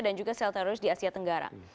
dan juga sel teroris di asia tenggara